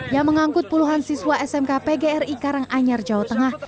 yang mengangkut puluhan siswa smk pgri karanganyar jawa tengah